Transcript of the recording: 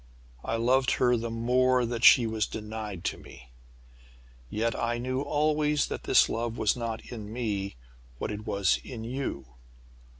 I loved her the more that she was denied to me! Yet I knew always that this love was not in me what it was in you.